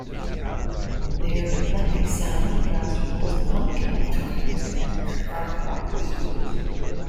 Their eclectic sound draws from post-punk, electronic music and krautrock.